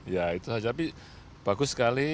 ya itu saja tapi bagus sekali